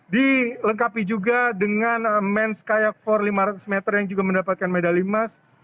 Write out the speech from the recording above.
dilengkapi juga dengan mens kayak empat lima ratus meter yang juga mendapatkan medali emas